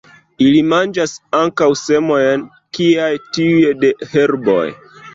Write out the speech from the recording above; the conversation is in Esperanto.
Ili manĝas ankaŭ semojn kiaj tiuj de herboj.